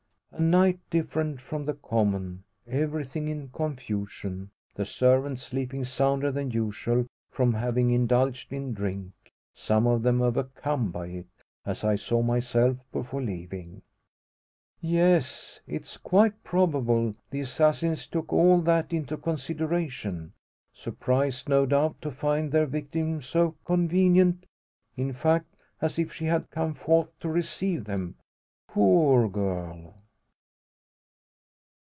A night different from the common, everything in confusion, the servants sleeping sounder than usual from having indulged in drink some of them overcome by it, as I saw myself before leaving. Yes; it's quite probable the assassins took all that into consideration surprised, no doubt, to find their victim so convenient in fact, as if she had come forth to receive them! Poor girl!"